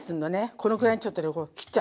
このくらいのちょっと量切っちゃう。